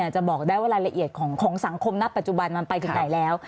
จะบอกได้ว่ารายละเอียดของสังคมณปัจจุบันมันไปถึงไหนแล้ว